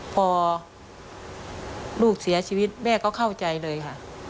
พอลูกเสียชีวิตแม่ก็เข้าใจเลยค่ะ